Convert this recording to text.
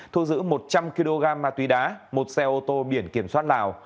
thu giữ một trăm linh kg ma túy đá một xe ô tô biển kiểm soát lào